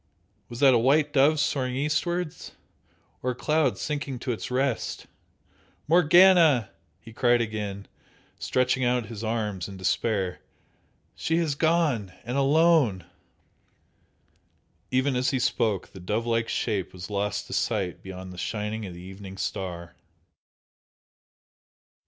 Was that a white dove soaring eastwards? or a cloud sinking to its rest? "Morgana!" he cried again, stretching out his arms in despair "She has gone! And alone!" Even as he spoke the dove like shape was lost to sight beyond the shining of the evening star.